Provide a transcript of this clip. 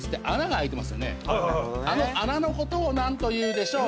あの穴の事を何というでしょう？